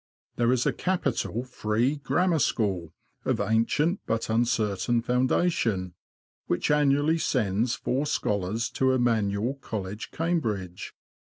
There is a capital free grammar school, of ancient but uncertain foun dation, which annually sends four scholars to Emanuel College, Cambridge.